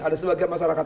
ada sebagian masyarakat